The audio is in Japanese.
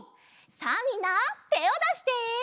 さあみんなてをだして！